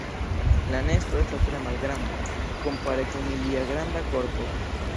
La nesto estas tre malgranda, kompare kun ilia granda korpo.